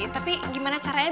tapi gimana caranya